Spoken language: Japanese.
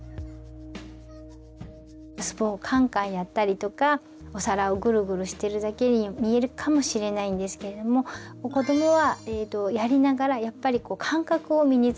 スプーンをカンカンやったりとかお皿をぐるぐるしてるだけに見えるかもしれないんですけれども子どもはやりながらやっぱり感覚を身につけているんですよね。